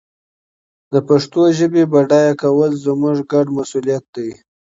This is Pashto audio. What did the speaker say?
د پښتو ژبي بډایه کول زموږ ګډ مسؤلیت دی.